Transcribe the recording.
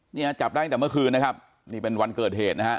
เนี่ยจับได้ตั้งแต่เมื่อคืนนะครับนี่เป็นวันเกิดเหตุนะฮะ